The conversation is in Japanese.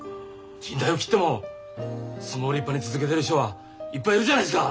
じん帯を切っても相撲を立派に続けてる人はいっぱいいるじゃないですか！